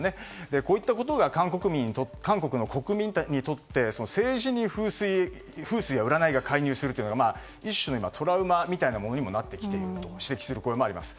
こういったことが韓国国民にとって政治に風水や占いが介入するというのは一種のトラウマみたいなものにもなってきていると指摘する声もあります。